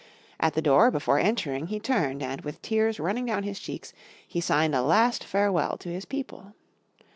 At the door, before entering, he turned, and with tears running down his cheeks he signed a last farewell to his people.